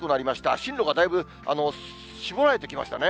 進路がだいぶ絞られてきましたね。